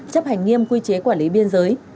chấp hành nghiêm quy chế quản lý biên giới